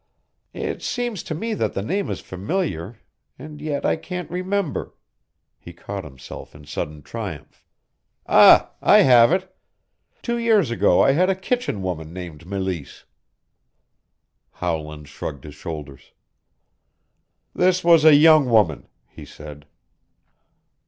"It seems to me that the name is familiar and yet I can't remember " He caught himself in sudden triumph. "Ah, I have it! Two years ago I had a kitchen woman named Meleese." Howland shrugged his shoulders. "This was a young woman," he said.